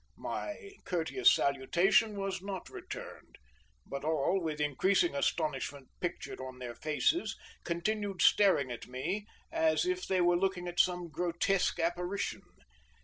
My courteous salutation was not returned; but all, with increasing astonishment pictured on their faces, continued staring at me as if they were looking on some grotesque apparition.